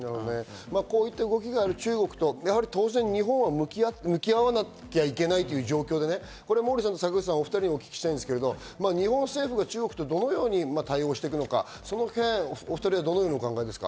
こういった動きがある中国と当然日本は向き合わなければいけないという状況でモーリーさん、坂口さんに聞きたいんですけど、日本政府はどのように中国と対応していくのか、どうお考えですか？